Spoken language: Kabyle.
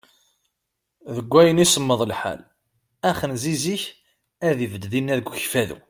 Deg wayen i semmeḍ lḥal, axenziz-ik ad ibedd dinna deg Ukfadu.